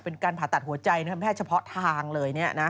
เป็นการผ่าตัดหัวใจแพทย์เฉพาะทางเลย